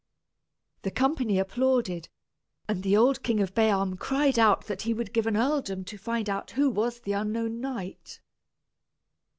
The company applauded, and the old King of Bealm cried out that he would give an earldom to find out who was the unknown knight.